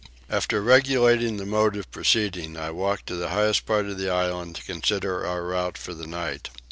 After regulating the mode of proceeding I walked to the highest part of the island to consider our route for the night.